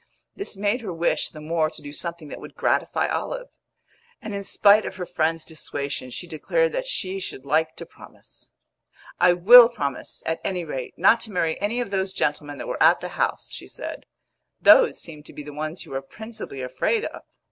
This made her wish the more to do something that would gratify Olive; and in spite of her friend's dissuasion she declared that she should like to promise. "I will promise, at any rate, not to marry any of those gentlemen that were at the house," she said. "Those seemed to be the ones you were principally afraid of."